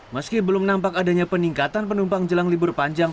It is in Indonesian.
meski belum nampak adanya peningkatan penumpang jelang libur panjang